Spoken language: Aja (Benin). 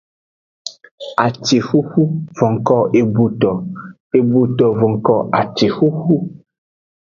Acixuxu vonko eboto, eboto vonko acixuxu.